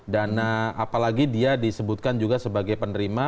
dana apalagi dia disebutkan juga sebagai penerima